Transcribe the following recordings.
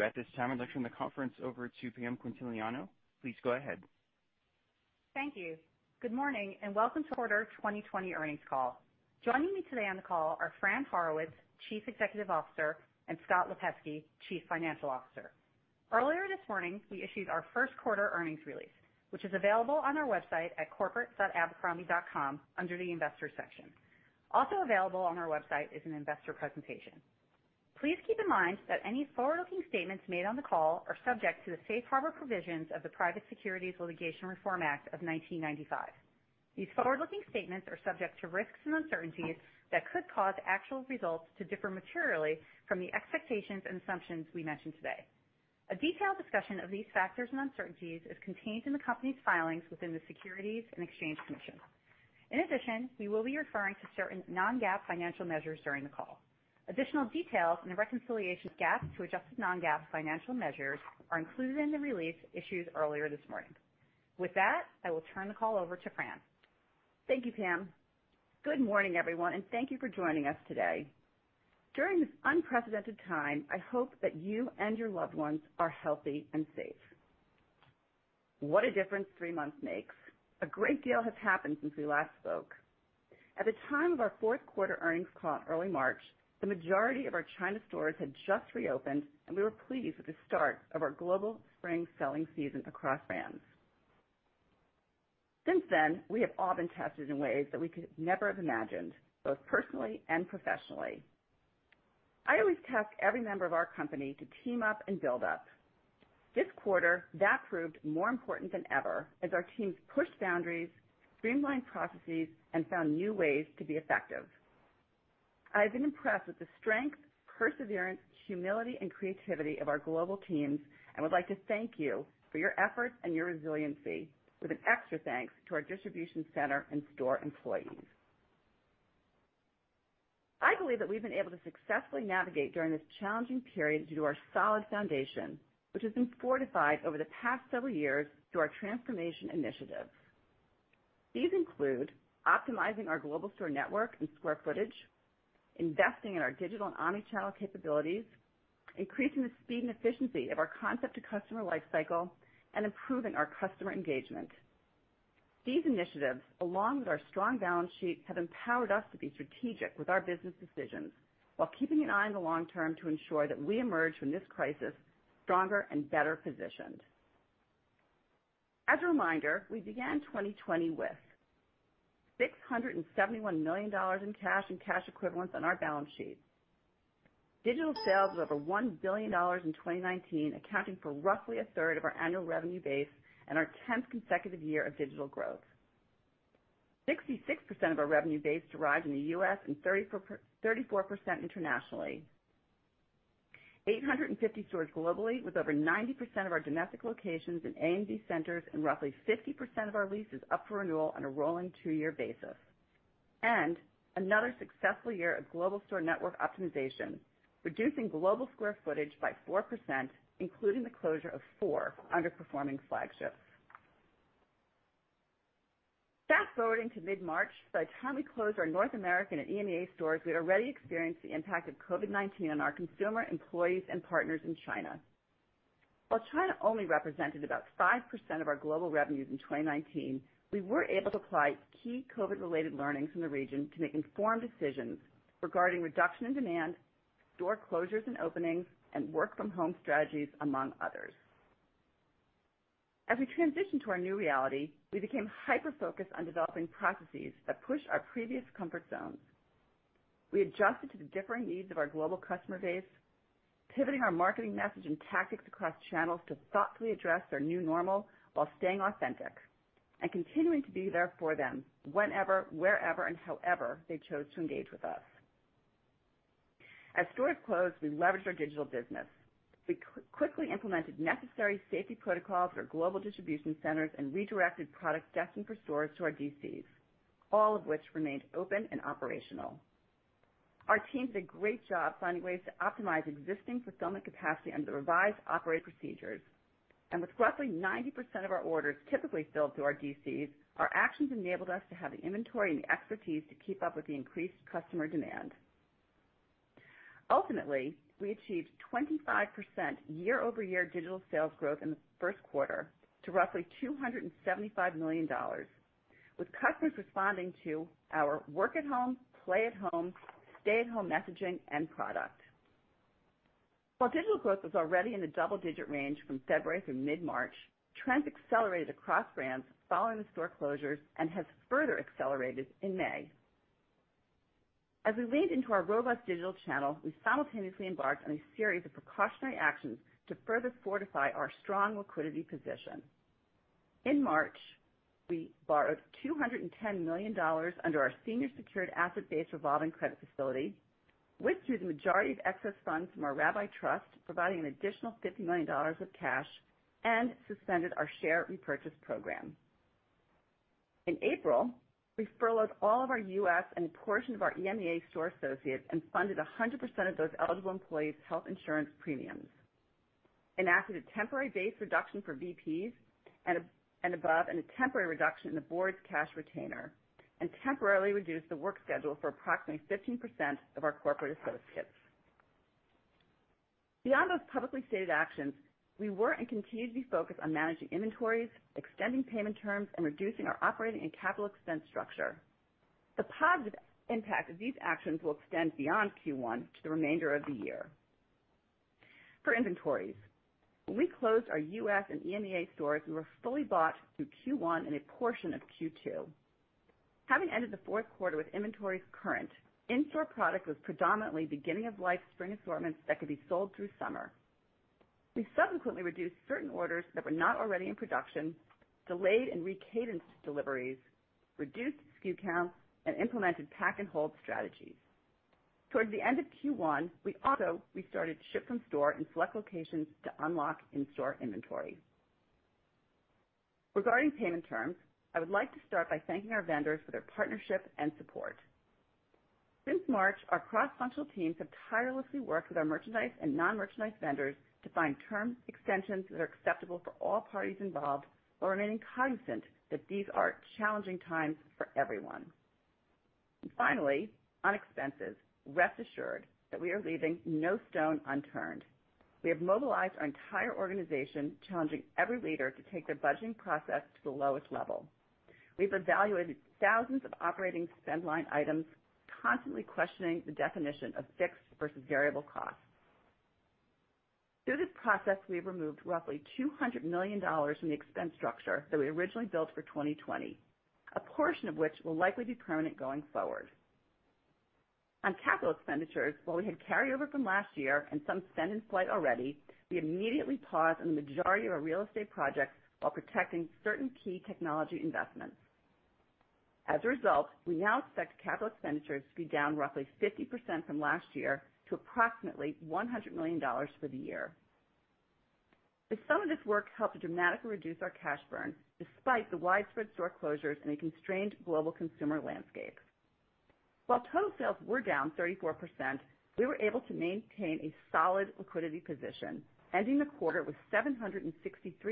Thank you. At this time, I'd like to turn the conference over to Pam Quintiliano. Please go ahead. Thank you. Good morning, and welcome to our 2020 earnings call. Joining me today on the call are Fran Horowitz, Chief Executive Officer, and Scott Lipesky, Chief Financial Officer. Earlier this morning, we issued our first quarter earnings release, which is available on our website at corporate.abercrombie.com under the investor section. Also available on our website is an investor presentation. Please keep in mind that any forward-looking statements made on the call are subject to the safe harbor provisions of the Private Securities Litigation Reform Act of 1995. These forward-looking statements are subject to risks and uncertainties that could cause actual results to differ materially from the expectations and assumptions we mention today. A detailed discussion of these factors and uncertainties is contained in the company's filings with the Securities and Exchange Commission. We will be referring to certain non-GAAP financial measures during the call. Additional details and the reconciliation of GAAP to adjusted non-GAAP financial measures are included in the release issued earlier this morning. With that, I will turn the call over to Fran. Thank you, Pam. Good morning, everyone, and thank you for joining us today. During this unprecedented time, I hope that you and your loved ones are healthy and safe. What a difference three months makes. A great deal has happened since we last spoke. At the time of our fourth quarter earnings call in early March, the majority of our China stores had just reopened, and we were pleased with the start of our global spring selling season across brands. Since then, we have all been tested in ways that we could never have imagined, both personally and professionally. I always task every member of our company to team up and build up. This quarter, that proved more important than ever as our teams pushed boundaries, streamlined processes, and found new ways to be effective. I've been impressed with the strength, perseverance, humility, and creativity of our global teams and would like to thank you for your efforts and your resiliency with an extra thanks to our distribution center and store employees. I believe that we've been able to successfully navigate during this challenging period due to our solid foundation, which has been fortified over the past several years through our transformation initiatives. These include optimizing our global store network and square footage, investing in our digital and omnichannel capabilities, increasing the speed and efficiency of our concept-to-customer life cycle, and improving our customer engagement. These initiatives, along with our strong balance sheet, have empowered us to be strategic with our business decisions while keeping an eye on the long term to ensure that we emerge from this crisis stronger and better positioned. As a reminder, we began 2020 with $671 million in cash and cash equivalents on our balance sheet. Digital sales were over $1 billion in 2019, accounting for roughly a third of our annual revenue base and our 10th consecutive year of digital growth. 66% of our revenue base derived in the U.S. and 34% internationally. 850 stores globally, with over 90% of our domestic locations in A and B centers and roughly 50% of our leases up for renewal on a rolling two year basis. Another successful year of global store network optimization, reducing global square footage by 4%, including the closure of four underperforming flagships. Fast-forwarding to mid-March, by the time we closed our North American and EMEA stores, we had already experienced the impact of COVID-19 on our consumer, employees, and partners in China. While China only represented about 5% of our global revenues in 2019, we were able to apply key COVID-related learnings from the region to make informed decisions regarding reduction in demand, store closures and openings, and work-from-home strategies, among others. As we transitioned to our new reality, we became hyper-focused on developing processes that pushed our previous comfort zones. We adjusted to the differing needs of our global customer base, pivoting our marketing message and tactics across channels to thoughtfully address their new normal while staying authentic and continuing to be there for them whenever, wherever, and however they chose to engage with us. As stores closed, we leveraged our digital business. We quickly implemented necessary safety protocols at our global Distribution Centers and redirected product destined for stores to our DCs, all of which remained open and operational. Our teams did a great job finding ways to optimize existing fulfillment capacity under the revised operating procedures. With roughly 90% of our orders typically filled through our DCs, our actions enabled us to have the inventory and the expertise to keep up with the increased customer demand. Ultimately, we achieved 25% year-over-year digital sales growth in the first quarter to roughly $275 million with customers responding to our work-at-home, play-at-home, stay-at-home messaging and product. While digital growth was already in the double-digit range from February through mid-March, trends accelerated across brands following the store closures and has further accelerated in May. As we leaned into our robust digital channel, we simultaneously embarked on a series of precautionary actions to further fortify our strong liquidity position. In March, we borrowed $210 million under our senior secured asset-based revolving credit facility, withdrew the majority of excess funds from our Rabbi trust, providing an additional $50 million of cash, and suspended our share repurchase program. In April, we furloughed all of our U.S. and a portion of our EMEA store associates and funded 100% of those eligible employees' health insurance premiums. Enacted a temporary base reduction for VPs and above, and a temporary reduction in the board's cash retainer, and temporarily reduced the work schedule for approximately 15% of our corporate associates. Beyond those publicly stated actions, we were and continue to be focused on managing inventories, extending payment terms, and reducing our operating and capital expense structure. The positive impact of these actions will extend beyond Q1 to the remainder of the year. For inventories, when we closed our U.S. and EMEA stores, we were fully bought through Q1 and a portion of Q2. Having ended the fourth quarter with inventories current, in-store product was predominantly beginning of life spring assortments that could be sold through summer. We subsequently reduced certain orders that were not already in production, delayed and re-cadenced deliveries, reduced SKU counts, and implemented pack and hold strategies. Towards the end of Q1, we also restarted ship from store in select locations to unlock in-store inventory. Regarding payment terms, I would like to start by thanking our vendors for their partnership and support. Since March, our cross-functional teams have tirelessly worked with our merchandise and non-merchandise vendors to find term extensions that are acceptable for all parties involved, while remaining cognizant that these are challenging times for everyone. Finally, on expenses, rest assured that we are leaving no stone unturned. We have mobilized our entire organization, challenging every leader to take their budgeting process to the lowest level. We've evaluated thousands of operating spend line items, constantly questioning the definition of fixed versus variable costs. Through this process, we have removed roughly $200 million in the expense structure that we originally built for 2020, a portion of which will likely be permanent going forward. On CapEx, while we had carryover from last year and some spend in flight already, we immediately paused on the majority of our real estate projects while protecting certain key technology investments. As a result, we now expect CapEx to be down roughly 50% from last year to approximately $100 million for the year. The sum of this work helped to dramatically reduce our cash burn despite the widespread store closures and a constrained global consumer landscape. While total sales were down 34%, we were able to maintain a solid liquidity position, ending the quarter with $763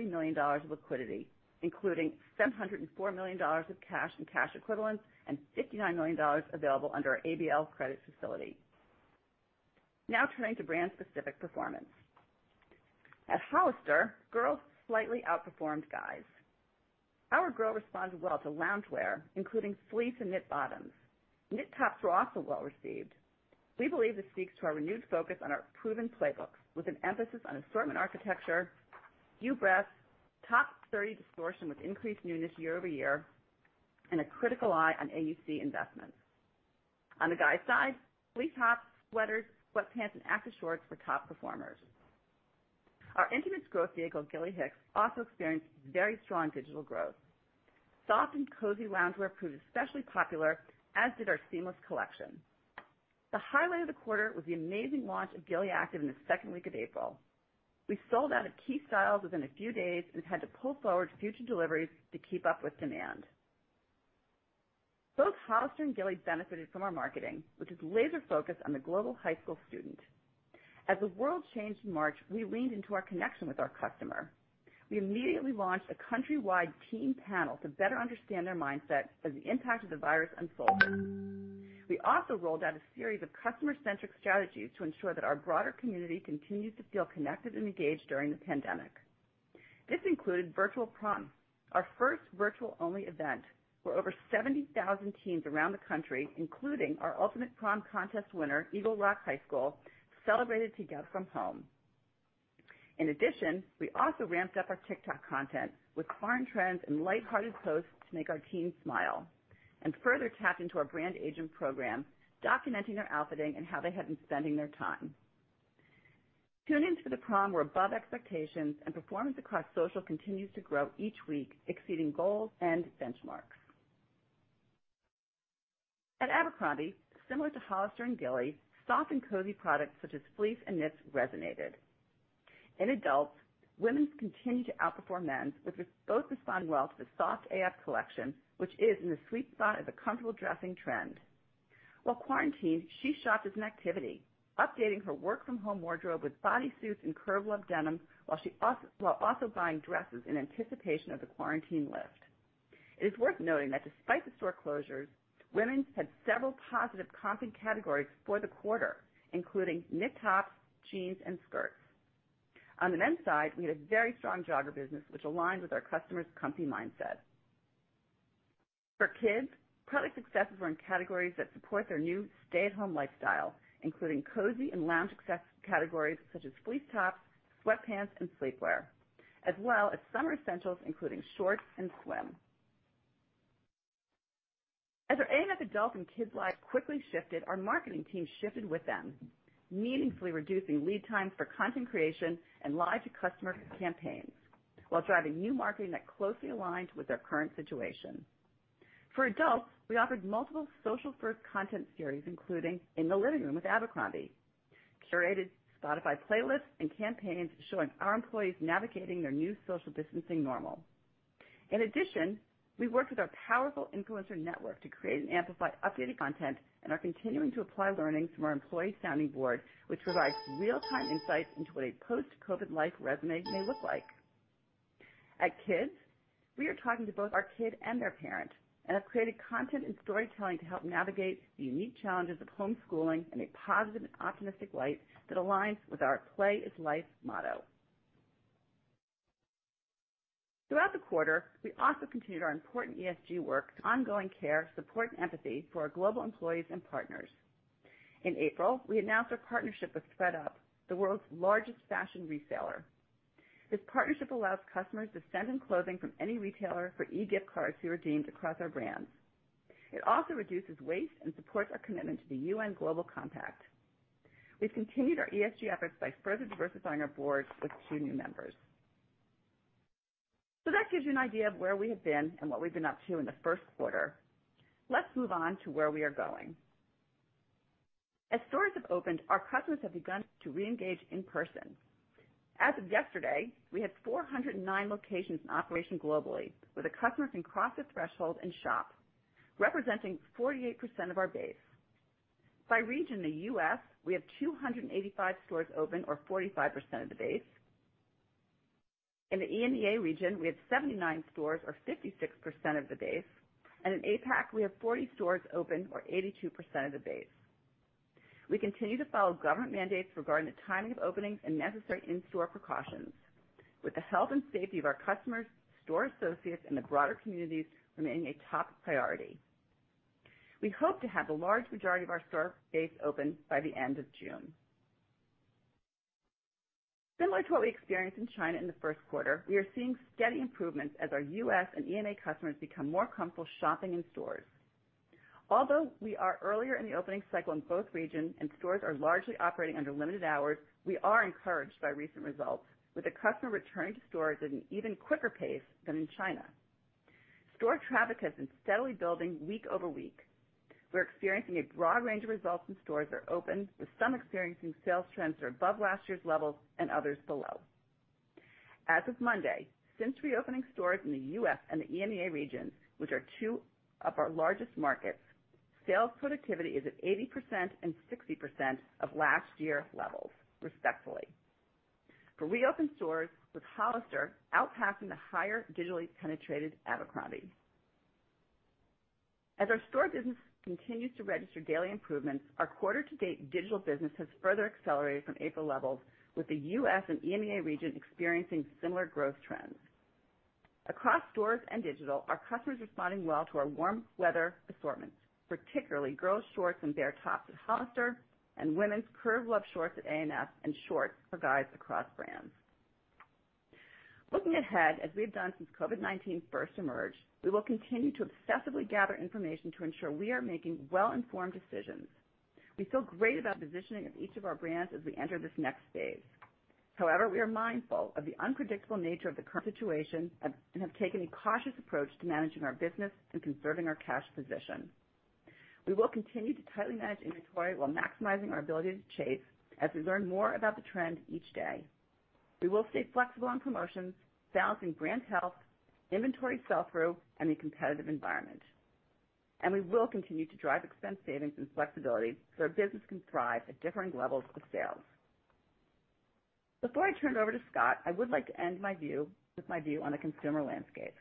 million of liquidity, including $704 million of cash and cash equivalents, and $59 million available under our ABL credit facility. Turning to brand-specific performance. At Hollister, girls slightly outperformed guys. Our girl responded well to loungewear, including fleece and knit bottoms. Knit tops were also well received. We believe this speaks to our renewed focus on our proven playbooks, with an emphasis on assortment architecture, SKU breadth, top 30 distortion with increased newness year-over-year, and a critical eye on AUC investments. On the guys side, fleece tops, sweaters, sweatpants, and active shorts were top performers. Our intimates growth vehicle, Gilly Hicks, also experienced very strong digital growth. Soft and cozy loungewear proved especially popular, as did our seamless collection. The highlight of the quarter was the amazing launch of Gilly Active in the second week of April. We sold out of key styles within a few days and had to pull forward future deliveries to keep up with demand. Both Hollister and Gilly benefited from our marketing, which is laser-focused on the global high school student. As the world changed in March, we leaned into our connection with our customer. We immediately launched a countrywide teen panel to better understand their mindset as the impact of the virus unfolded. We also rolled out a series of customer-centric strategies to ensure that our broader community continues to feel connected and engaged during the pandemic. This included Virtual Prom, our first virtual-only event, where over 70,000 teens around the country, including our Ultimate Prom Contest winner, Eagle Rock High School, celebrated together from home. We also ramped up our TikTok content with For You trends and lighthearted posts to make our teens smile and further tapped into our Brand Agent Program, documenting their outfitting and how they had been spending their time. Tune-ins for the prom were above expectations, performance across social continues to grow each week, exceeding goals and benchmarks. At Abercrombie, similar to Hollister and Gilly, soft and cozy products such as fleece and knits resonated. In adults, women's continued to outperform men's, with both responding well to the Soft AF collection, which is in the sweet spot of the comfortable dressing trend. While quarantined, she shopped as an activity, updating her work from home wardrobe with bodysuits and Curve Love denim, while also buying dresses in anticipation of the quarantine lift. It is worth noting that despite the store closures, women's had several positive comp categories for the quarter, including knit tops, jeans, and skirts. On the men's side, we had a very strong jogger business, which aligns with our customer's comfy mindset. For kids, product successes were in categories that support their new stay-at-home lifestyle, including cozy and lounge success categories such as fleece tops, sweatpants, and sleepwear, as well as summer essentials including shorts and swim. As our A&F adult and kids' lives quickly shifted, our marketing team shifted with them, meaningfully reducing lead times for content creation and live to customer campaigns while driving new marketing that closely aligns with their current situation. For adults, we offered multiple social-first content series, including In the Living Room with Abercrombie, curated Spotify playlists, and campaigns showing our employees navigating their new social distancing normal. In addition, we worked with our powerful influencer network to create and amplify updated content and are continuing to apply learnings from our employee sounding board, which provides real-time insights into what a post-COVID life resume may look like. At Kids, we are talking to both our kid and their parent and have created content and storytelling to help navigate the unique challenges of homeschooling in a positive and optimistic light that aligns with our Play Is Life motto. Throughout the quarter, we also continued our important ESG work, ongoing care, support, and empathy for our global employees and partners. In April, we announced our partnership with ThredUp, the world's largest fashion reseller. This partnership allows customers to send in clothing from any retailer for e-gift cards to be redeemed across our brands. It also reduces waste and supports our commitment to the UN Global Compact. We've continued our ESG efforts by further diversifying our boards with two new members. That gives you an idea of where we have been and what we've been up to in the first quarter. Let's move on to where we are going. As stores have opened, our customers have begun to reengage in person. As of yesterday, we had 409 locations in operation globally, where the customers can cross the threshold and shop, representing 48% of our base. By region, the U.S., we have 285 stores open or 45% of the base. In the EMEA region, we have 79 stores or 56% of the base. In APAC, we have 40 stores open or 82% of the base. We continue to follow government mandates regarding the timing of openings and necessary in-store precautions with the health and safety of our customers, store associates, and the broader communities remaining a top priority. We hope to have a large majority of our store base open by the end of June. Similar to what we experienced in China in the first quarter, we are seeing steady improvements as our U.S. and EMEA customers become more comfortable shopping in stores. Although we are earlier in the opening cycle in both regions and stores are largely operating under limited hours, we are encouraged by recent results, with the customer returning to stores at an even quicker pace than in China. Store traffic has been steadily building week over week. We're experiencing a broad range of results in stores that are open, with some experiencing sales trends that are above last year's levels and others below. As of Monday, since reopening stores in the U.S. and the EMEA region, which are two of our largest markets, sales productivity is at 80% and 60% of last year's levels, respectively. For reopened stores, with Hollister outpacing the higher digitally penetrated Abercrombie. As our store business continues to register daily improvements, our quarter to date digital business has further accelerated from April levels with the U.S. and EMEA region experiencing similar growth trends. Across stores and digital, our customers responding well to our warm weather assortments, particularly girls' shorts and bare tops at Hollister and women's Curve Love shorts at A&F and shorts for guys across brands. Looking ahead, as we have done since COVID-19 first emerged, we will continue to obsessively gather information to ensure we are making well-informed decisions. We feel great about the positioning of each of our brands as we enter this next phase. However, we are mindful of the unpredictable nature of the current situation and have taken a cautious approach to managing our business and conserving our cash position. We will continue to tightly manage inventory while maximizing our ability to chase as we learn more about the trend each day. We will stay flexible on promotions, balancing brand health, inventory sell-through, and the competitive environment. We will continue to drive expense savings and flexibility so our business can thrive at differing levels of sales. Before I turn it over to Scott, I would like to end with my view on the consumer landscape.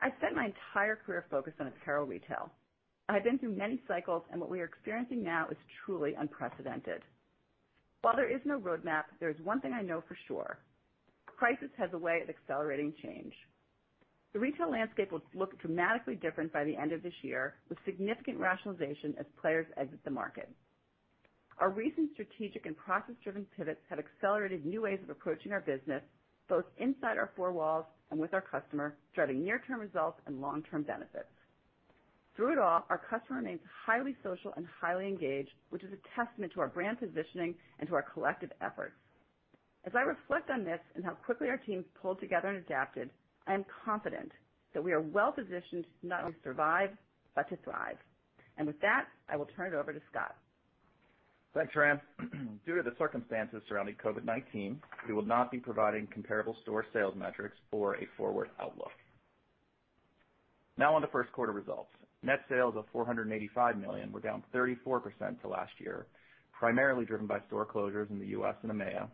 I've spent my entire career focused on apparel retail, and I've been through many cycles, and what we are experiencing now is truly unprecedented. While there is no roadmap, there is one thing I know for sure. Crisis has a way of accelerating change. The retail landscape will look dramatically different by the end of this year, with significant rationalization as players exit the market. Our recent strategic and process-driven pivots have accelerated new ways of approaching our business, both inside our four walls and with our customer, driving near-term results and long-term benefits. Through it all, our customer remains highly social and highly engaged, which is a testament to our brand positioning and to our collective efforts. As I reflect on this and how quickly our teams pulled together and adapted, I am confident that we are well-positioned to not only survive but to thrive. With that, I will turn it over to Scott. Thanks, Fran. Due to the circumstances surrounding COVID-19, we will not be providing comparable store sales metrics or a forward outlook. Now on the first quarter results. Net sales of $485 million were down 34% to last year, primarily driven by store closures in the U.S. and EMEA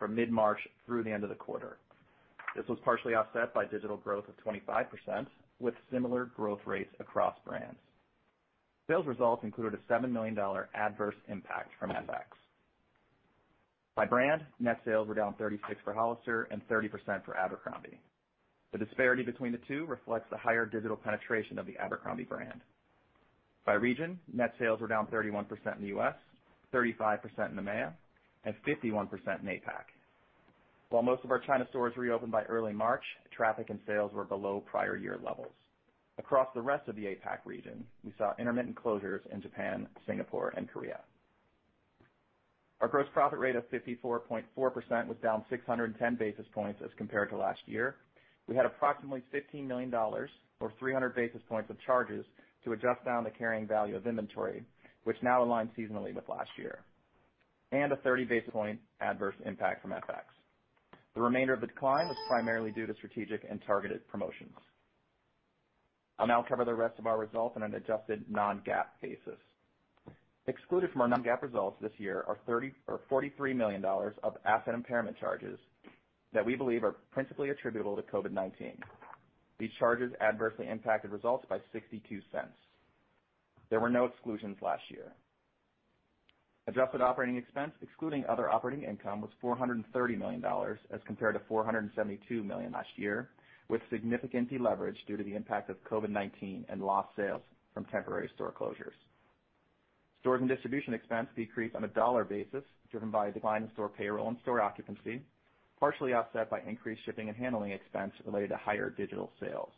from mid-March through the end of the quarter. This was partially offset by digital growth of 25% with similar growth rates across brands. Sales results included a $7 million adverse impact from FX. By brand, net sales were down 36% for Hollister and 30% for Abercrombie. The disparity between the two reflects the higher digital penetration of the Abercrombie brand. By region, net sales were down 31% in the U.S., 35% in EMEA, and 51% in APAC. While most of our China stores reopened by early March, traffic and sales were below prior year levels. Across the rest of the APAC region, we saw intermittent closures in Japan, Singapore, and Korea. Our gross profit rate of 54.4% was down 610 basis points as compared to last year. We had approximately $15 million or 300 basis points of charges to adjust down the carrying value of inventory, which now aligns seasonally with last year. A 30 basis point adverse impact from FX. The remainder of the decline was primarily due to strategic and targeted promotions. I'll now cover the rest of our results on an adjusted non-GAAP basis. Excluded from our non-GAAP results this year are $43 million of asset impairment charges that we believe are principally attributable to COVID-19. These charges adversely impacted results by $0.62. There were no exclusions last year. Adjusted operating expense, excluding other operating income, was $430 million as compared to $472 million last year, with significant deleverage due to the impact of COVID-19 and lost sales from temporary store closures. Storage and distribution expense decreased on a dollar basis, driven by a decline in store payroll and store occupancy, partially offset by increased shipping and handling expense related to higher digital sales.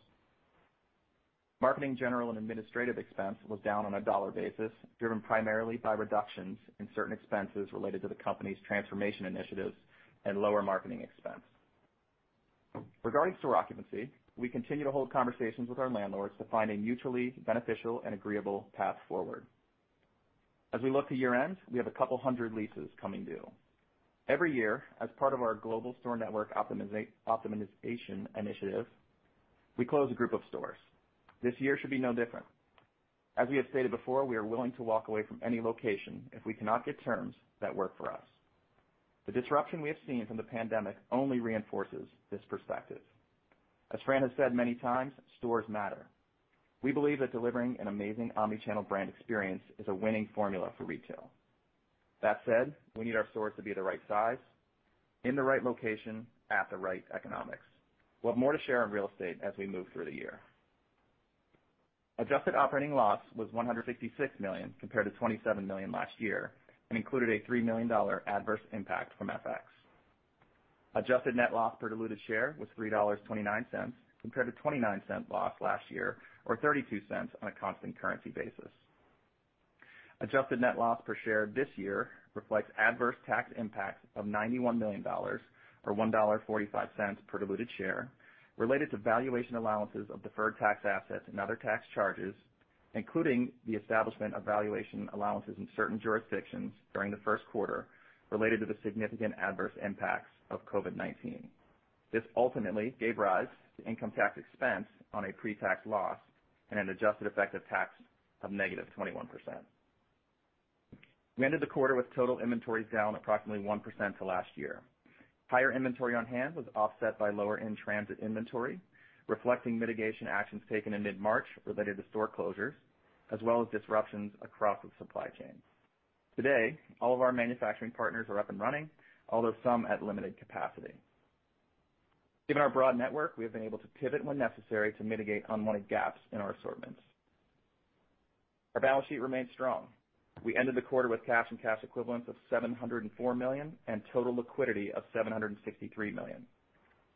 Marketing, general, and administrative expense was down on a dollar basis, driven primarily by reductions in certain expenses related to the company's transformation initiatives and lower marketing expense. Regarding store occupancy, we continue to hold conversations with our landlords to find a mutually beneficial and agreeable path forward. As we look to year-end, we have a couple hundred leases coming due. Every year, as part of our Global Store Network Optimization Initiative, we close a group of stores. This year should be no different. As we have stated before, we are willing to walk away from any location if we cannot get terms that work for us. The disruption we have seen from the pandemic only reinforces this perspective. As Fran has said many times, stores matter. We believe that delivering an amazing omnichannel brand experience is a winning formula for retail. That said, we need our stores to be the right size, in the right location, at the right economics. We'll have more to share on real estate as we move through the year. Adjusted operating loss was $156 million compared to $27 million last year and included a $3 million adverse impact from FX. Adjusted net loss per diluted share was $3.29 compared to $0.29 loss last year, or $0.32 on a constant currency basis. Adjusted net loss per share this year reflects adverse tax impacts of $91 million, or $1.45 per diluted share, related to valuation allowances of deferred tax assets and other tax charges, including the establishment of valuation allowances in certain jurisdictions during the first quarter related to the significant adverse impacts of COVID-19. This ultimately gave rise to income tax expense on a pre-tax loss and an adjusted effective tax of -21%. We ended the quarter with total inventories down approximately 1% to last year. Higher inventory on hand was offset by lower in-transit inventory, reflecting mitigation actions taken in mid-March related to store closures as well as disruptions across the supply chains. Today, all of our manufacturing partners are up and running, although some at limited capacity. Given our broad network, we have been able to pivot when necessary to mitigate unwanted gaps in our assortments. Our balance sheet remains strong. We ended the quarter with cash and cash equivalents of $704 million and total liquidity of $763 million.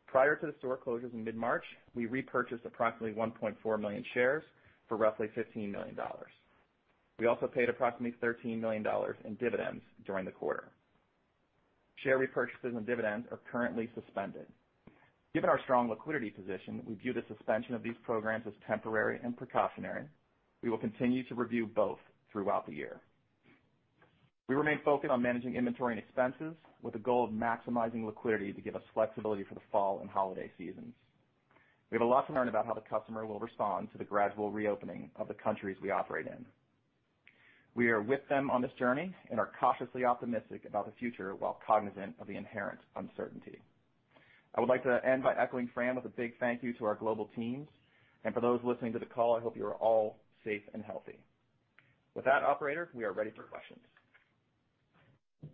Prior to the store closures in mid-March, we repurchased approximately 1.4 million shares for roughly $15 million. We also paid approximately $13 million in dividends during the quarter. Share repurchases and dividends are currently suspended. Given our strong liquidity position, we view the suspension of these programs as temporary and precautionary. We will continue to review both throughout the year. We remain focused on managing inventory and expenses with the goal of maximizing liquidity to give us flexibility for the fall and holiday seasons. We have a lot to learn about how the customer will respond to the gradual reopening of the countries we operate in. We are with them on this journey and are cautiously optimistic about the future while cognizant of the inherent uncertainty. I would like to end by echoing Fran with a big thank you to our global teams. For those listening to the call, I hope you are all safe and healthy. With that, operator, we are ready for questions.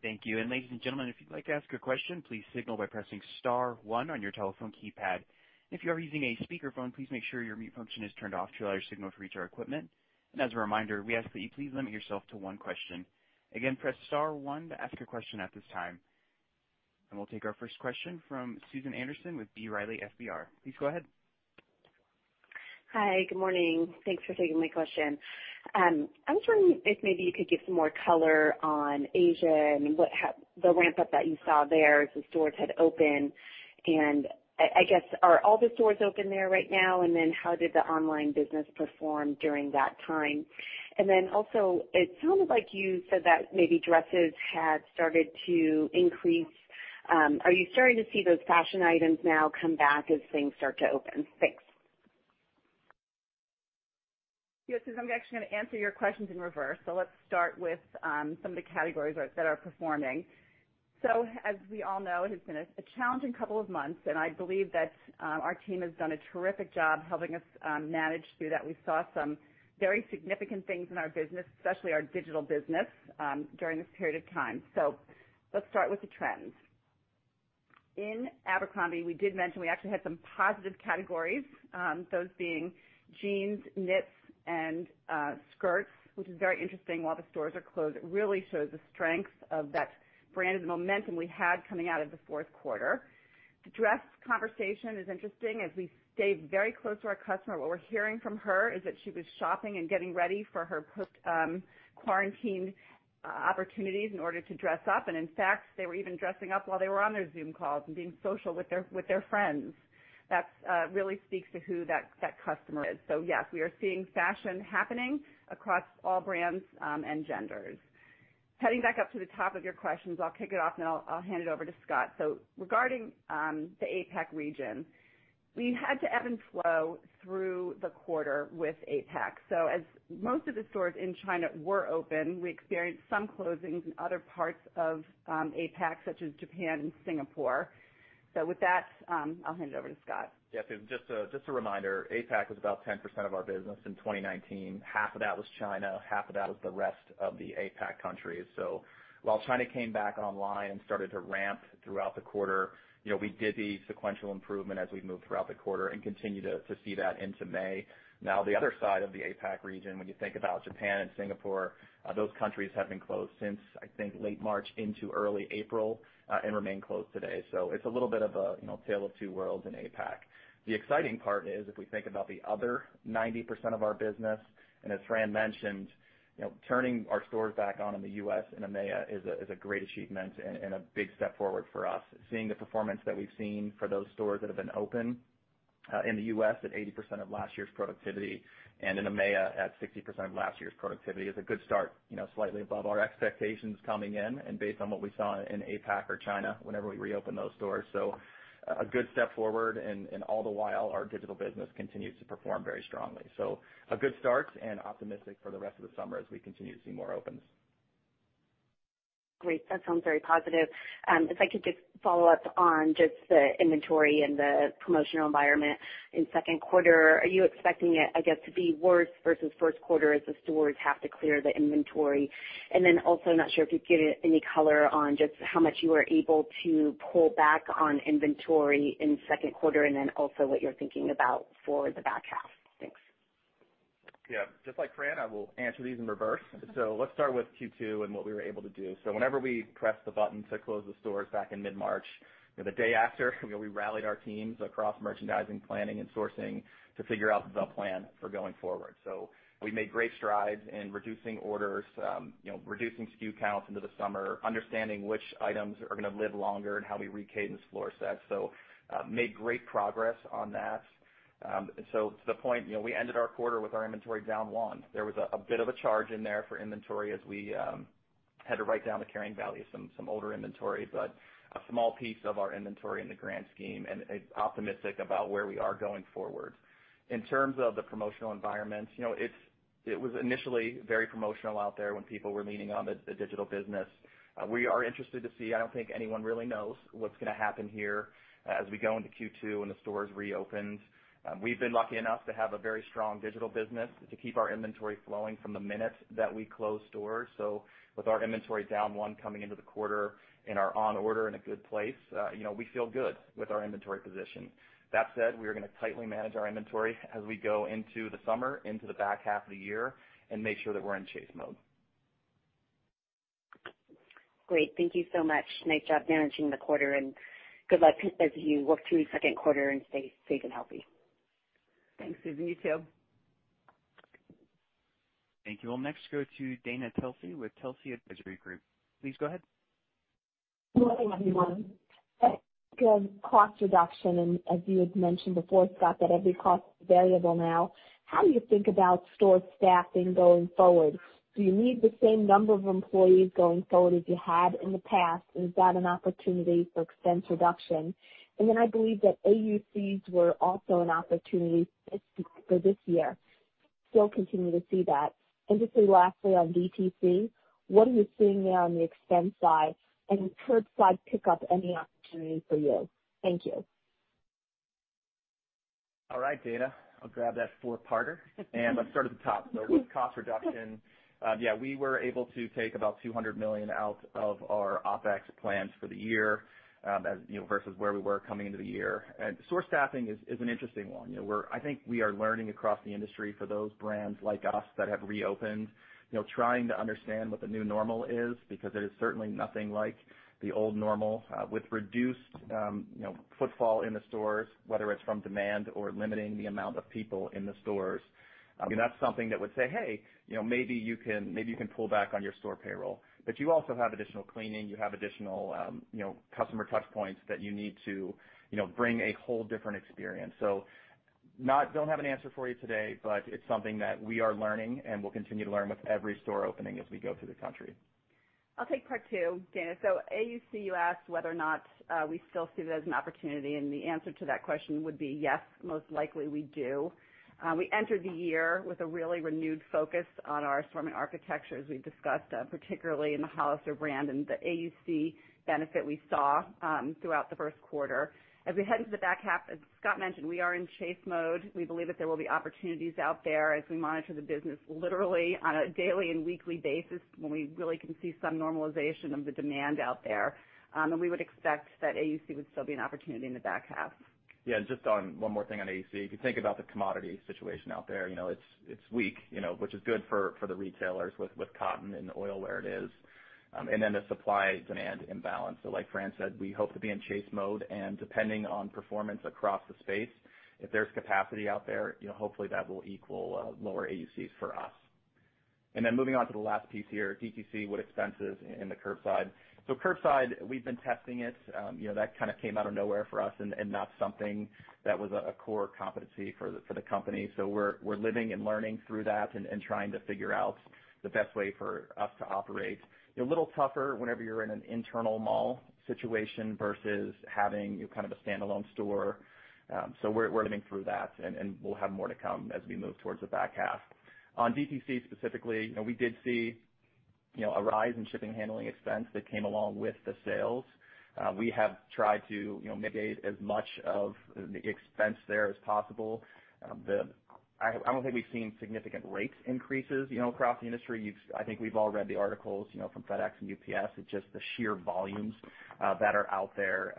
Thank you. Ladies and gentlemen, if you'd like to ask a question, please signal by pressing star one on your telephone keypad. If you are using a speakerphone, please make sure your mute function is turned off to allow your signal to reach our equipment. As a reminder, we ask that you please limit yourself to one question. Again, press star one to ask a question at this time. We'll take our first question from Susan Anderson with B. Riley FBR. Please go ahead. Hi. Good morning. Thanks for taking my question. I was wondering if maybe you could give some more color on Asia and the ramp-up that you saw there as the stores had opened. I guess, are all the stores open there right now? How did the online business perform during that time? It sounded like you said that maybe dresses had started to increase. Are you starting to see those fashion items now come back as things start to open? Thanks. Yeah, Susan, I'm actually going to answer your questions in reverse. Let's start with some of the categories that are performing. As we all know, it has been a challenging couple of months. I believe that our team has done a terrific job helping us manage through that. We saw some very significant things in our business, especially our digital business, during this period of time. Let's start with the trends. In Abercrombie, we did mention we actually had some positive categories, those being jeans, knits, and skirts, which is very interesting while the stores are closed. It really shows the strength of that brand and the momentum we had coming out of the fourth quarter. The dress conversation is interesting, as we stayed very close to our customer. What we're hearing from her is that she was shopping and getting ready for her post-quarantine opportunities in order to dress up. In fact, they were even dressing up while they were on their Zoom calls and being social with their friends. That really speaks to who that customer is. Yes, we are seeing fashion happening across all brands and genders. Heading back up to the top of your questions, I'll kick it off and then I'll hand it over to Scott. Regarding the APAC region, we had to ebb and flow through the quarter with APAC. As most of the stores in China were open, we experienced some closings in other parts of APAC, such as Japan and Singapore. With that, I'll hand it over to Scott. Just a reminder, APAC was about 10% of our business in 2019. Half of that was China, half of that was the rest of the APAC countries. While China came back online and started to ramp throughout the quarter, we did see sequential improvement as we moved throughout the quarter and continue to see that into May. The other side of the APAC region, when you think about Japan and Singapore, those countries have been closed since, I think, late March into early April, and remain closed today. It's a little bit of a tale of two worlds in APAC. The exciting part is, if we think about the other 90% of our business, and as Fran mentioned, turning our stores back on in the U.S. and EMEA is a great achievement and a big step forward for us. Seeing the performance that we've seen for those stores that have been open, in the U.S. at 80% of last year's productivity and in EMEA at 60% of last year's productivity, is a good start. Slightly above our expectations coming in and based on what we saw in APAC or China whenever we reopen those stores. A good step forward, and all the while, our digital business continues to perform very strongly. A good start and optimistic for the rest of the summer as we continue to see more opens. Great. That sounds very positive. If I could just follow up on just the inventory and the promotional environment in second quarter, are you expecting it, I guess, to be worse versus first quarter as the stores have to clear the inventory? Also, not sure if you could give any color on just how much you were able to pull back on inventory in the second quarter, and then also what you're thinking about for the back half. Thanks. Just like Fran, I will answer these in reverse. Let's start with Q2 and what we were able to do. Whenever we pressed the button to close the stores back in mid-March, the day after, we rallied our teams across merchandising, planning, and sourcing to figure out the plan for going forward. We made great strides in reducing orders, reducing SKU counts into the summer, understanding which items are going to live longer, and how we recadence floor sets. Made great progress on that. To the point, we ended our quarter with our inventory down one. There was a bit of a charge in there for inventory as we had to write down the carrying value of some older inventory, but a small piece of our inventory in the grand scheme, and optimistic about where we are going forward. In terms of the promotional environment, it was initially very promotional out there when people were leaning on the digital business. We are interested to see, I don't think anyone really knows what's going to happen here as we go into Q2 and the stores reopen. We've been lucky enough to have a very strong digital business to keep our inventory flowing from the minute that we closed stores. With our inventory down one coming into the quarter and our on order in a good place, we feel good with our inventory position. That said, we are going to tightly manage our inventory as we go into the summer, into the back half of the year, and make sure that we're in chase mode. Great. Thank you so much. Nice job managing the quarter. Good luck as you work through the second quarter. Stay safe and healthy. Thanks, Susan. You, too. Thank you. We'll next go to Dana Telsey with Telsey Advisory Group. Please go ahead. Morning, everyone. A quick cost reduction. As you had mentioned before, Scott, that every cost is variable now, how do you think about store staffing going forward? Do you need the same number of employees going forward as you had in the past? Is that an opportunity for expense reduction? I believe that AUCs were also an opportunity for this year. Still continue to see that. Lastly, on DTC, what are you seeing there on the expense side, and is curbside pickup any opportunity for you? Thank you. All right, Dana, I'll grab that four-parter. Let's start at the top. With cost reduction, yeah, we were able to take about $200 million out of our OpEx plans for the year, versus where we were coming into the year. Store staffing is an interesting one. I think we are learning across the industry for those brands like us that have reopened, trying to understand what the new normal is because it is certainly nothing like the old normal. With reduced footfall in the stores, whether it's from demand or limiting the amount of people in the stores, that's something that would say, "Hey, maybe you can pull back on your store payroll." You also have additional cleaning, you have additional customer touchpoints that you need to bring a whole different experience. Don't have an answer for you today, but it's something that we are learning and will continue to learn with every store opening as we go through the country. I'll take part two, Dana. AUC, you asked whether or not we still see it as an opportunity, and the answer to that question would be yes, most likely we do. We entered the year with a really renewed focus on our assortment architecture, as we've discussed, particularly in the Hollister brand and the AUC benefit we saw throughout the first quarter. As we head into the back half, as Scott mentioned, we are in chase mode. We believe that there will be opportunities out there as we monitor the business literally on a daily and weekly basis when we really can see some normalization of the demand out there. We would expect that AUC would still be an opportunity in the back half. Yeah, just one more thing on AUC. If you think about the commodity situation out there, it's weak, which is good for the retailers with cotton and oil where it is. The supply-demand imbalance. Like Fran said, we hope to be in chase mode, and depending on performance across the space, if there's capacity out there, hopefully that will equal lower AUCs for us. Moving on to the last piece here, DTC, wood expenses, and the curbside. Curbside, we've been testing it. That came out of nowhere for us, and not something that was a core competency for the company. We're living and learning through that and trying to figure out the best way for us to operate. A little tougher whenever you're in an internal mall situation versus having a standalone store. We're living through that and we'll have more to come as we move towards the back half. On DTC specifically, we did see a rise in shipping handling expense that came along with the sales. We have tried to mitigate as much of the expense there as possible. I don't think we've seen significant rates increases across the industry. I think we've all read the articles from FedEx and UPS. It's just the sheer volumes that are out there.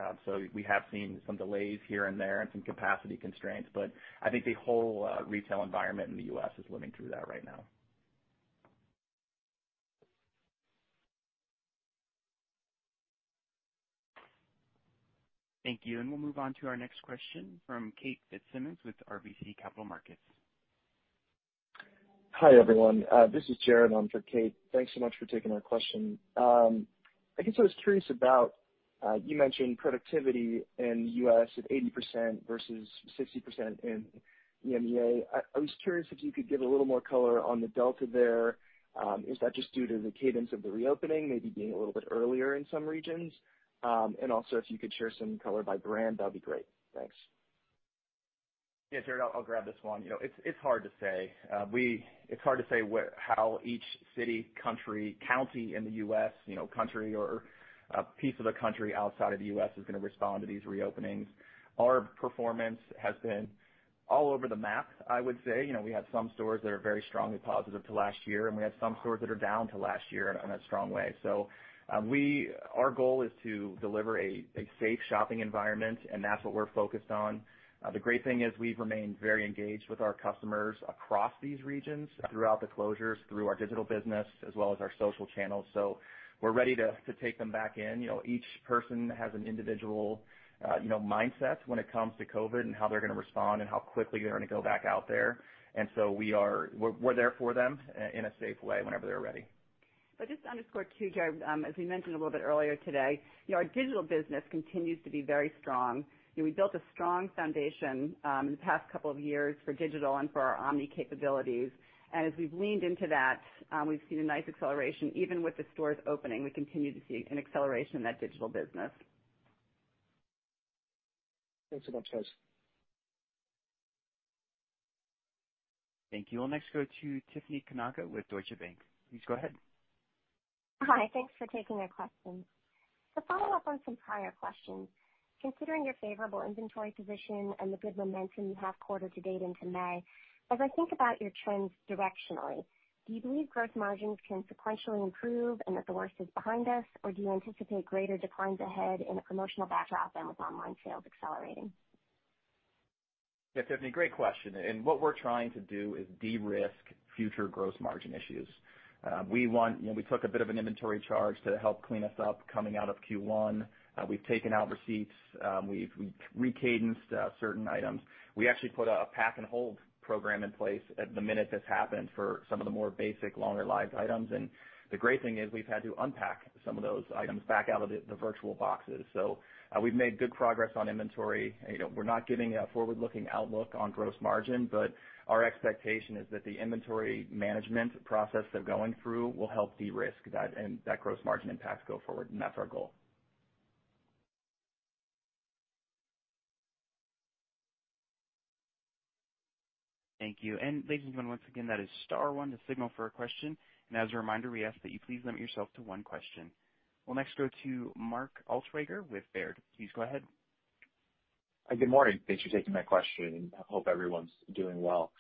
We have seen some delays here and there and some capacity constraints, but I think the whole retail environment in the U.S. is living through that right now. Thank you. We'll move on to our next question from Kate Fitzsimons with RBC Capital Markets. Hi, everyone. This is Jared on for Kate. Thanks so much for taking our question. I guess I was curious about, you mentioned productivity in the U.S. at 80% versus 60% in EMEA. I was curious if you could give a little more color on the delta there. Is that just due to the cadence of the reopening maybe being a little bit earlier in some regions? Also, if you could share some color by brand, that'd be great. Thanks. Yeah, Jared, I'll grab this one. It's hard to say how each city, country, county in the U.S., country or a piece of the country outside of the U.S. is going to respond to these reopenings. Our performance has been all over the map, I would say. We have some stores that are very strongly positive to last year, and we have some stores that are down to last year in a strong way. Our goal is to deliver a safe shopping environment, and that's what we're focused on. The great thing is we've remained very engaged with our customers across these regions, throughout the closures, through our digital business, as well as our social channels. We're ready to take them back in. Each person has an individual mindset when it comes to COVID and how they're going to respond and how quickly they're going to go back out there. We're there for them in a safe way whenever they're ready. Just to underscore too, Jared, as we mentioned a little bit earlier today, our digital business continues to be very strong. We built a strong foundation in the past couple of years for digital and for our omni capabilities. As we've leaned into that, we've seen a nice acceleration. Even with the stores opening, we continue to see an acceleration in that digital business. Thanks so much, guys. Thank you. We'll next go to Tiffany Kanaga with Deutsche Bank. Please go ahead. Hi. Thanks for taking our questions. To follow up on some prior questions, considering your favorable inventory position and the good momentum you have quarter to date into May, as I think about your trends directionally, do you believe gross margins can sequentially improve and that the worst is behind us, or do you anticipate greater declines ahead in a promotional backdrop than with online sales accelerating? Yeah, Tiffany, great question. What we're trying to do is de-risk future gross margin issues. We took a bit of an inventory charge to help clean us up coming out of Q1. We've taken out receipts. We've re-cadenced certain items. We actually put a pack and hold program in place the minute this happened for some of the more basic, longer lived items. The great thing is, we've had to unpack some of those items back out of the virtual boxes. We've made good progress on inventory. We're not giving a forward-looking outlook on gross margin, but our expectation is that the inventory management process they're going through will help de-risk that and that gross margin impact go forward, and that's our goal. Thank you. Ladies and gentlemen, once again, that is star one to signal for a question. As a reminder, we ask that you please limit yourself to one question. We'll next go to Mark Altschwager with Baird. Please go ahead. Good morning. Thanks for taking my question, and I hope everyone's doing well.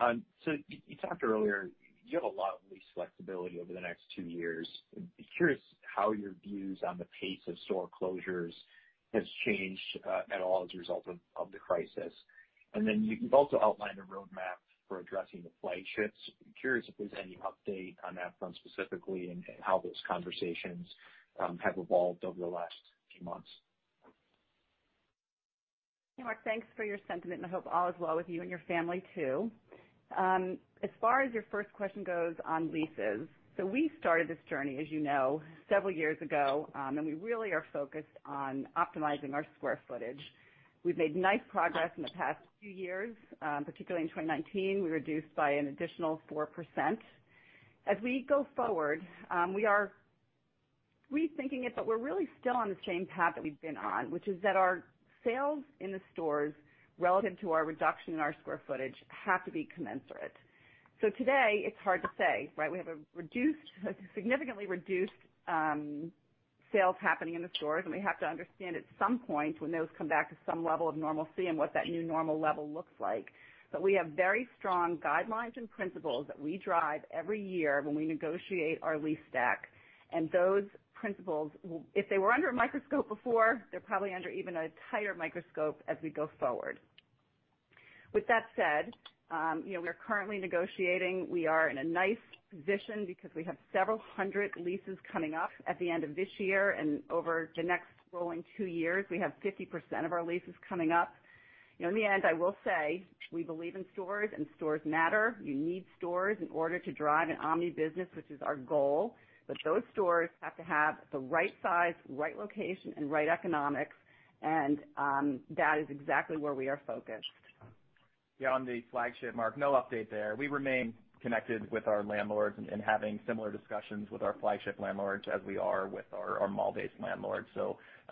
You talked earlier, you have a lot of lease flexibility over the next two years. Curious how your views on the pace of store closures has changed at all as a result of the crisis. You've also outlined a roadmap for addressing the flight shifts. Curious if there's any update on that front specifically and how those conversations have evolved over the last few months. Mark, thanks for your sentiment, and I hope all is well with you and your family, too. As far as your first question goes on leases, we started this journey, as you know, several years ago, and we really are focused on optimizing our square footage. We've made nice progress in the past few years, particularly in 2019. We reduced by an additional 4%. As we go forward, we are rethinking it, we're really still on the same path that we've been on, which is that our sales in the stores relative to our reduction in our square footage have to be commensurate. Today, it's hard to say, right? We have a significantly reduced sales happening in the stores, and we have to understand at some point when those come back to some level of normalcy and what that new normal level looks like. We have very strong guidelines and principles that we drive every year when we negotiate our lease stack, and those principles, if they were under a microscope before, they're probably under even a tighter microscope as we go forward. With that said, we are currently negotiating. We are in a nice position because we have several hundred leases coming up at the end of this year and over the next rolling two years, we have 50% of our leases coming up. In the end, I will say, we believe in stores, and stores matter. You need stores in order to drive an omni-business, which is our goal, but those stores have to have the right size, right location, and right economics, and that is exactly where we are focused. Yeah, on the flagship, Mark, no update there. We remain connected with our landlords and having similar discussions with our flagship landlords as we are with our mall-based landlords.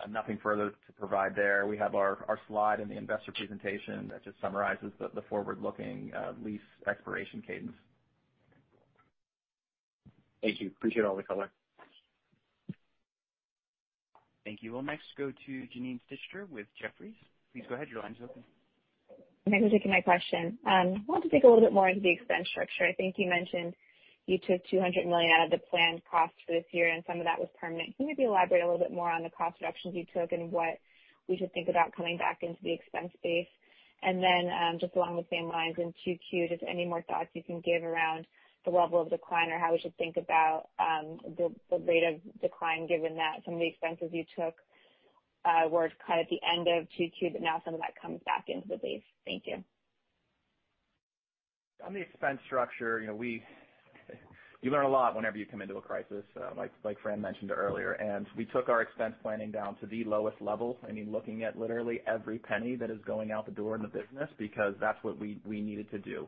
Nothing further to provide there. We have our slide and the investor presentation that just summarizes the forward-looking lease expiration cadence. Thank you. Appreciate all the color. Thank you. We'll next go to Janine Stichter with Jefferies. Please go ahead. Your line's open. Thanks for taking my question. I wanted to dig a little bit more into the expense structure. I think you mentioned you took $200 million out of the planned cost for this year, and some of that was permanent. Can you maybe elaborate a little bit more on the cost reductions you took and what we should think about coming back into the expense base? Just along the same lines, in Q2, just any more thoughts you can give around the level of decline, or how we should think about the rate of decline, given that some of the expenses you took were kind of at the end of Q2, but now some of that comes back into the base. Thank you. On the expense structure, you learn a lot whenever you come into a crisis, like Fran mentioned earlier. We took our expense planning down to the lowest level, looking at literally every penny that is going out the door in the business, because that's what we needed to do.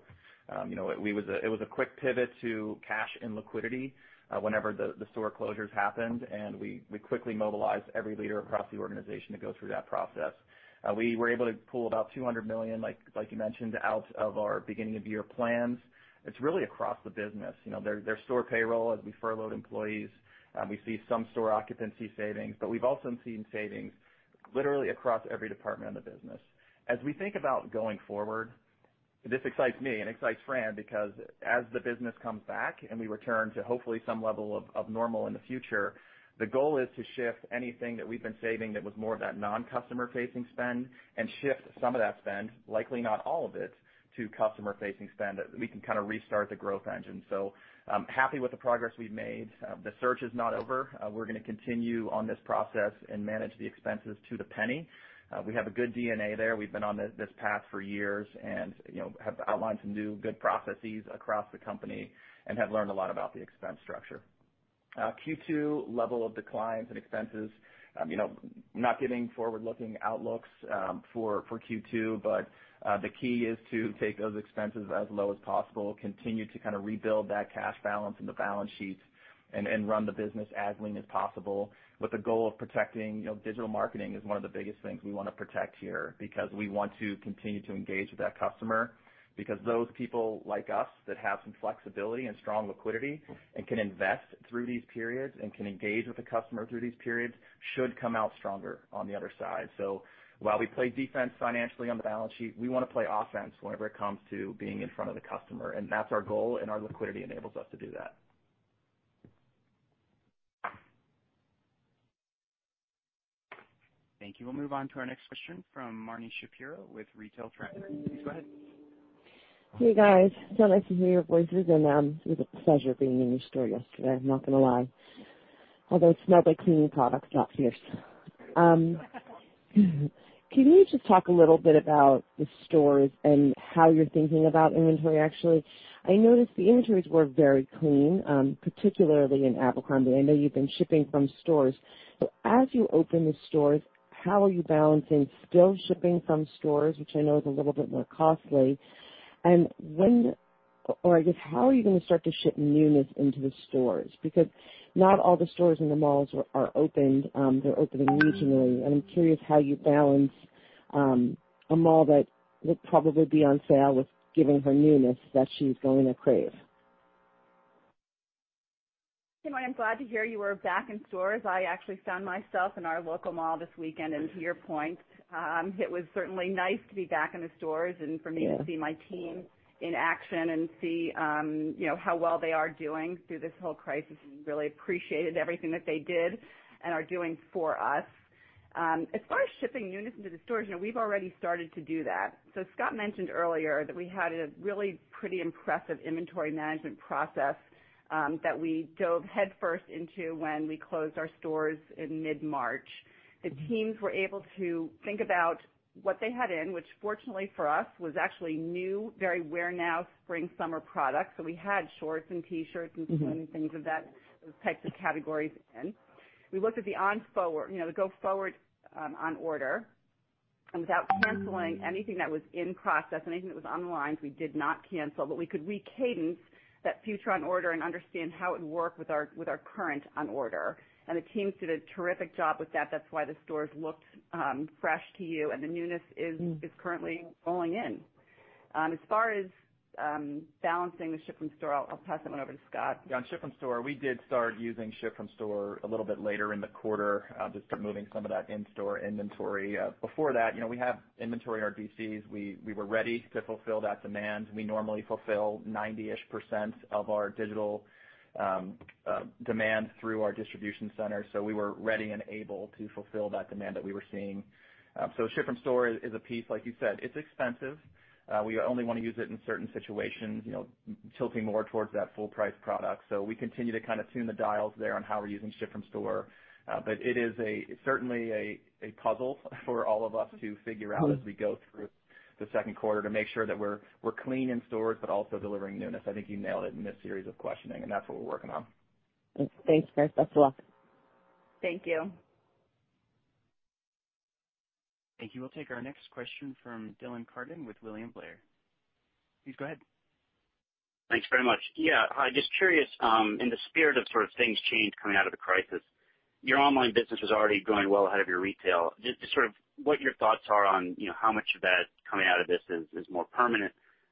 It was a quick pivot to cash and liquidity whenever the store closures happened. We quickly mobilized every leader across the organization to go through that process. We were able to pull about $200 million, like you mentioned, out of our beginning of year plans. It's really across the business. There's store payroll as we furloughed employees. We see some store occupancy savings. We've also seen savings literally across every department in the business. As we think about going forward, this excites me and excites Fran because as the business comes back and we return to hopefully some level of normal in the future, the goal is to shift anything that we've been saving that was more of that non-customer facing spend and shift some of that spend, likely not all of it, to customer facing spend, that we can restart the growth engine. Happy with the progress we've made. The search is not over. We're going to continue on this process and manage the expenses to the penny. We have a good DNA there. We've been on this path for years and have outlined some new good processes across the company and have learned a lot about the expense structure. Q2 level of declines and expenses. Not giving forward-looking outlooks for Q2, but the key is to take those expenses as low as possible, continue to rebuild that cash balance and the balance sheets, and run the business as lean as possible with the goal of protecting digital marketing is one of the biggest things we want to protect here because we want to continue to engage with that customer because those people like us that have some flexibility and strong liquidity and can invest through these periods and can engage with the customer through these periods should come out stronger on the other side. While we play defense financially on the balance sheet, we want to play offense whenever it comes to being in front of the customer, and that's our goal, and our liquidity enables us to do that. Thank you. We'll move on to our next question from Marni Shapiro with The Retail Tracker. Please go ahead. Hey, guys. Nice to hear your voices, and it was a pleasure being in your store yesterday, I'm not gonna lie. Although it smelled like cleaning products top to Fierce. Can you just talk a little bit about the stores and how you're thinking about inventory, actually? I noticed the inventories were very clean, particularly in Abercrombie. I know you've been shipping from stores. As you open the stores, how are you balancing still shipping from stores, which I know is a little bit more costly, and I guess how are you going to start to ship newness into the stores? Not all the stores in the malls are opened. They're opening regionally, and I'm curious how you balance a mall that would probably be on sale with giving her newness that she's going to crave. Hey, Marni, I'm glad to hear you are back in stores. I actually found myself in our local mall this weekend, to your point, it was certainly nice to be back in the stores and for me to see my team in action and see how well they are doing through this whole crisis, and really appreciated everything that they did and are doing for us. As far as shipping units into the stores, we've already started to do that. Scott mentioned earlier that we had a really pretty impressive inventory management process that we dove headfirst into when we closed our stores in mid-March. The teams were able to think about what they had in, which fortunately for us, was actually new, very wear-now spring/summer products. We had shorts and T-shirts and swim and things of that type of categories in. We looked at the go forward on order, and without canceling anything that was in process, anything that was on the lines, we did not cancel. We could re-cadence that future on order and understand how it would work with our current on order, and the teams did a terrific job with that. That's why the stores looked fresh to you, and the newness is currently rolling in. As far as balancing the ship from store, I'll pass that one over to Scott. On ship from store, we did start using ship from store a little bit later in the quarter, just moving some of that in-store inventory. Before that, we have inventory in our DCs. We were ready to fulfill that demand. We normally fulfill 90% of our digital demand through our distribution center, so we were ready and able to fulfill that demand that we were seeing. Ship from store is a piece, like you said, it's expensive. We only want to use it in certain situations, tilting more towards that full price product. We continue to tune the dials there on how we're using ship from store. It is certainly a puzzle for all of us to figure out as we go through the second quarter to make sure that we're clean in stores, but also delivering newness. I think you nailed it in this series of questioning, and that's what we're working on. Thanks, guys. Best of luck. Thank you. Thank you. We'll take our next question from Dylan Carden with William Blair. Please go ahead. Thanks very much. Yeah. Hi, just curious, in the spirit of things change coming out of the crisis, your online business was already going well ahead of your retail. What your thoughts are on how much of that coming out of this is more permanent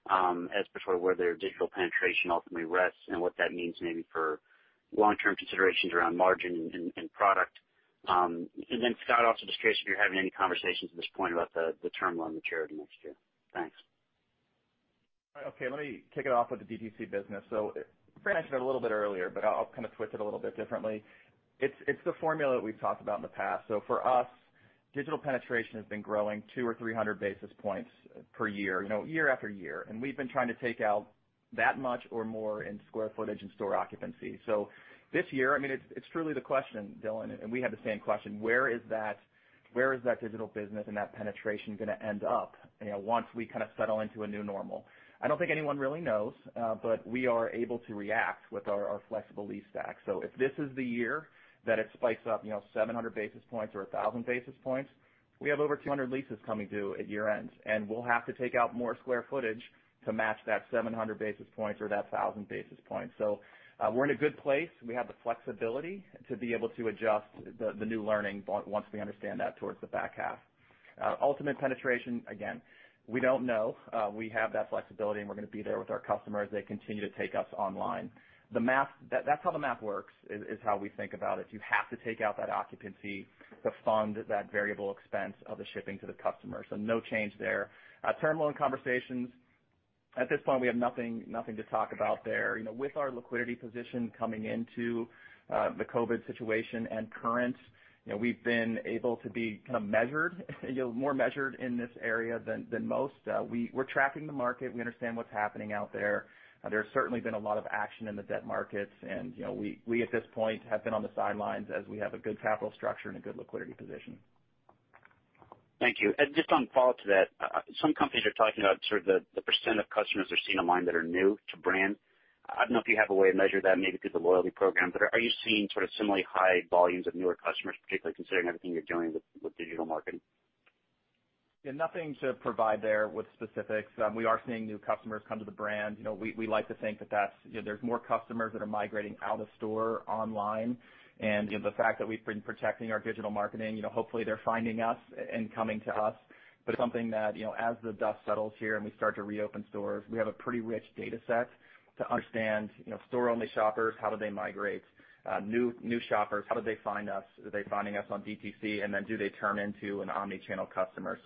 as for where their digital penetration ultimately rests and what that means maybe for long term considerations around margin and product. Scott, also just curious if you're having any conversations at this point about the term loan maturity next year. Thanks. Okay, let me kick it off with the DTC business. Fran answered it a little bit earlier, but I'll twist it a little bit differently. It's the formula that we've talked about in the past. For us, digital penetration has been growing two or 300 basis points per year after year. We've been trying to take out that much or more in square footage and store occupancy. This year, it's truly the question, Dylan, and we have the same question, where is that digital business and that penetration gonna end up, once we settle into a new normal? I don't think anyone really knows, but we are able to react with our flexible lease stack. If this is the year that it spikes up 700 basis points or 1,000 basis points, we have over 200 leases coming due at year end, and we'll have to take out more square footage to match that 700 basis points or that 1,000 basis points. We're in a good place. We have the flexibility to be able to adjust the new learning once we understand that towards the back half. Ultimate penetration, again, we don't know. We have that flexibility, and we're gonna be there with our customers as they continue to take us online. That's how the math works, is how we think about it. You have to take out that occupancy to fund that variable expense of the shipping to the customer. No change there. Term loan conversations. At this point, we have nothing to talk about there. With our liquidity position coming into the COVID situation and current, we've been able to be more measured in this area than most. We're tracking the market. We understand what's happening out there. There's certainly been a lot of action in the debt markets. We, at this point, have been on the sidelines as we have a good capital structure and a good liquidity position. Thank you. Just on follow-up to that, some companies are talking about the percent of customers they're seeing online that are new to brand. I don't know if you have a way to measure that, maybe through the loyalty program. Are you seeing similarly high volumes of newer customers, particularly considering everything you're doing with digital marketing? Yeah, nothing to provide there with specifics. We are seeing new customers come to the brand. We like to think there's more customers that are migrating out of store online, and the fact that we've been protecting our digital marketing, hopefully they're finding us and coming to us. It's something that, as the dust settles here and we start to reopen stores, we have a pretty rich data set to understand store only shoppers, how do they migrate? New shoppers, how do they find us? Are they finding us on DTC? Do they turn into an omni-channel customer?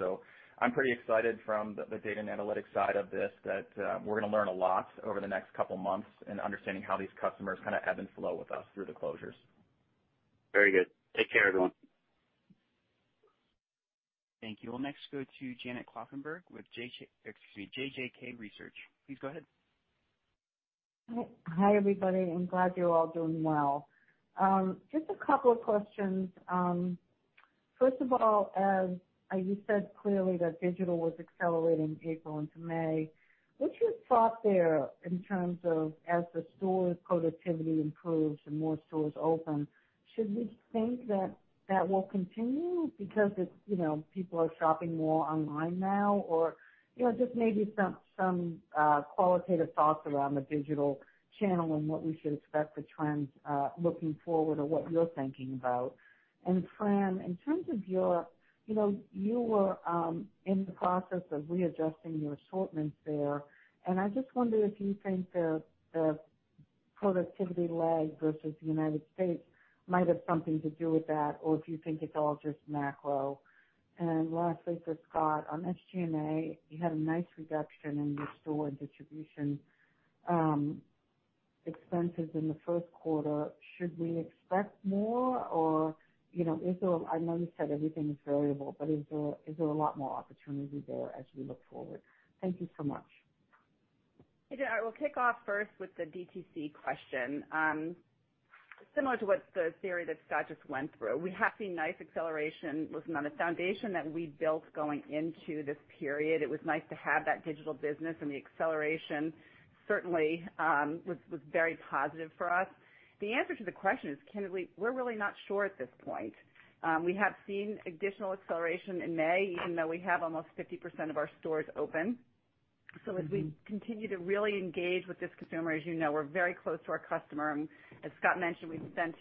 I'm pretty excited from the data and analytics side of this that we're going to learn a lot over the next couple of months in understanding how these customers ebb and flow with us through the closures. Very good. Take care, everyone. Thank you. We'll next go to Janet Kloppenberg with JJK Research. Please go ahead. Hi, everybody. I'm glad you're all doing well. Just a couple of questions. You said clearly that digital was accelerating April into May. What's your thought there in terms of as the store's productivity improves and more stores open, should we think that that will continue because people are shopping more online now? Just maybe some qualitative thoughts around the digital channel and what we should expect for trends, looking forward or what you're thinking about. Fran, you were in the process of readjusting your assortments there, and I just wonder if you think the productivity lag versus the United States might have something to do with that, or if you think it's all just macro. Lastly, for Scott, on SG&A, you had a nice reduction in your store distribution expenses in the first quarter. Should we expect more or, I know you said everything is variable, but is there a lot more opportunity there as we look forward? Thank you so much. Hey, Janet. We'll kick off first with the DTC question. Similar to what the theory that Scott just went through, we have seen nice acceleration. Listen, on the foundation that we built going into this period, it was nice to have that digital business, and the acceleration certainly was very positive for us. The answer to the question is, candidly, we're really not sure at this point. We have seen additional acceleration in May, even though we have almost 50% of our stores open. As we continue to really engage with this consumer, as you know, we're very close to our customer, and as Scott mentioned, we've spent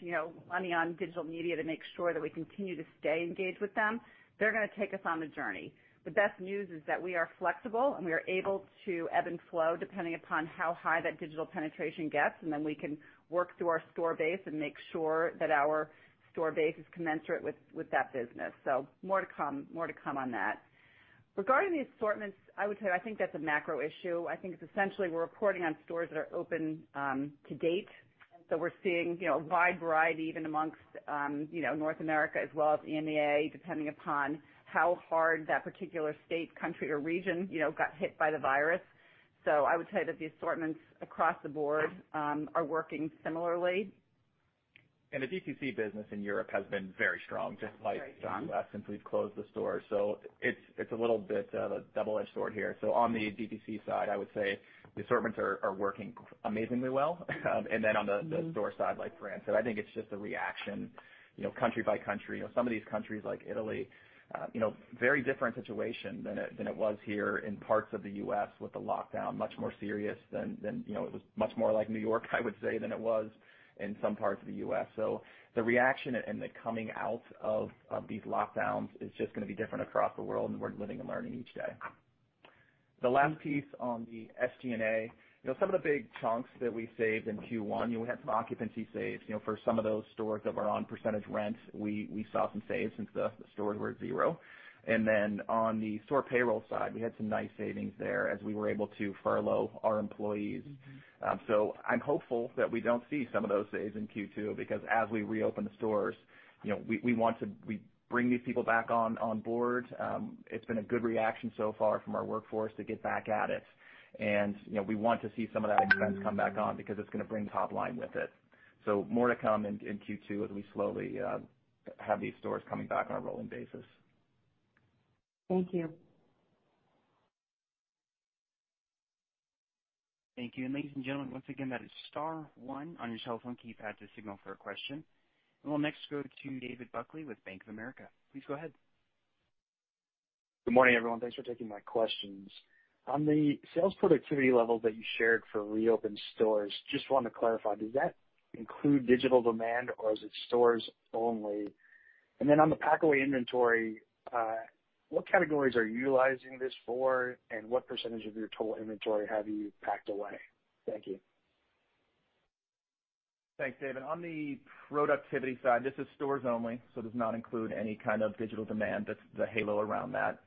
money on digital media to make sure that we continue to stay engaged with them. They're gonna take us on a journey. The best news is that we are flexible, and we are able to ebb and flow depending upon how high that digital penetration gets, and then we can work through our store base and make sure that our store base is commensurate with that business. More to come on that. Regarding the assortments, I would say I think that's a macro issue. I think it's essentially we're reporting on stores that are open to date. We're seeing a wide variety even amongst North America as well as EMEA, depending upon how hard that particular state, country, or region got hit by the virus. I would say that the assortments across the board are working similarly. The DTC business in Europe has been very strong. Very strong. Just like in the U.S. since we've closed the stores. It's a little bit of a double-edged sword here. On the DTC side, I would say the assortments are working amazingly well. On the store side, like Fran said, I think it's just a reaction country by country. Some of these countries, like Italy, very different situation than it was here in parts of the U.S. with the lockdown, much more serious than it was much more like New York, I would say, than it was in some parts of the U.S. The reaction and the coming out of these lockdowns is just going to be different across the world, and we're living and learning each day. The last piece on the SG&A, some of the big chunks that we saved in Q1, we had some occupancy saves for some of those stores that were on percentage rents, we saw some saves since the stores were at zero. On the store payroll side, we had some nice savings there as we were able to furlough our employees. I'm hopeful that we don't see some of those saves in Q2 because as we reopen the stores, we bring these people back on board. It's been a good reaction so far from our workforce to get back at it. We want to see some of that expense come back on because it's going to bring top line with it. More to come in Q2 as we slowly have these stores coming back on a rolling basis. Thank you. Thank you. Ladies and gentlemen, once again, that is star one on your telephone keypad to signal for a question. We'll next go to David Buckley with Bank of America. Please go ahead. Good morning, everyone. Thanks for taking my questions. On the sales productivity level that you shared for reopen stores, just wanted to clarify, does that include digital demand, or is it stores only? On the pack-away inventory, what categories are you utilizing this for, and what % of your total inventory have you packed away? Thank you. Thanks, David. On the productivity side, this is stores only, does not include any kind of digital demand. That's the halo around that.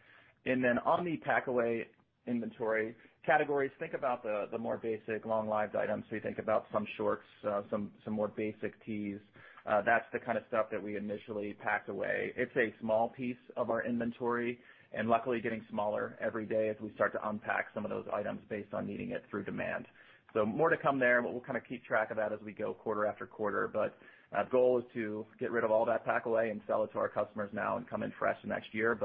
On the pack-away inventory categories, think about the more basic long-lived items. You think about some shorts, some more basic tees. That's the kind of stuff that we initially packed away. It's a small piece of our inventory, and luckily getting smaller every day as we start to unpack some of those items based on needing it through demand. More to come there, but we'll keep track of that as we go quarter after quarter. Our goal is to get rid of all that pack away and sell it to our customers now and come in fresh next year.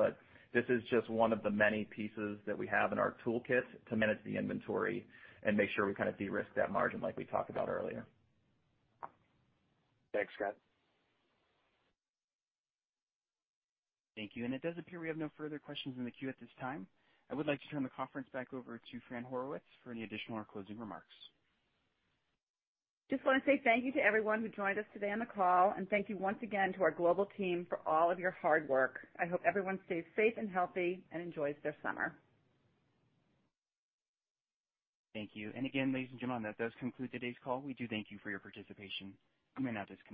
This is just one of the many pieces that we have in our toolkit to manage the inventory and make sure we de-risk that margin like we talked about earlier. Thanks, Scott. Thank you. It does appear we have no further questions in the queue at this time. I would like to turn the conference back over to Fran Horowitz for any additional or closing remarks. Just want to say thank you to everyone who joined us today on the call. Thank you once again to our global team for all of your hard work. I hope everyone stays safe and healthy and enjoys their summer. Thank you. Again, ladies and gentlemen, that does conclude today's call. We do thank you for your participation. You may now disconnect.